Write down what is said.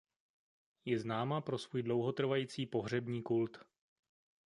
Je známa pro svůj dlouhotrvající pohřební kult.